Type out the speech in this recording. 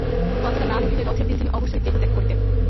কথাটা না রটিলে রথের দিন তিনি অবশ্যই দেহত্যাগ করিতেন।